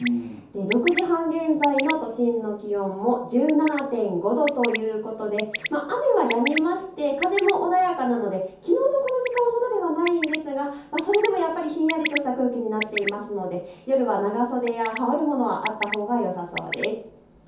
６時半現在の都心の気温も１７．５度ということで雨はやみまして風も穏やかなのできのうのこの時間ほどではないですがそれでもやっぱりひんやりとした空気になっているので夜は長袖や羽織るものがあったほうがよさそうです。